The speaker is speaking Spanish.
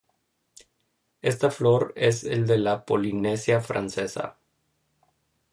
Esta flor es el de la Polinesia Francesa.